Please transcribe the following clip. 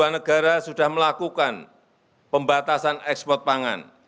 dua puluh dua negara sudah melakukan pembatasan ekspor pangan